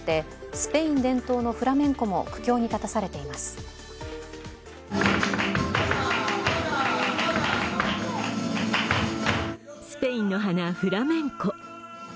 スペインの華、フラメンコ。